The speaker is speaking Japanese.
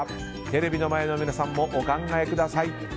テレビの前の皆さんもお考えください。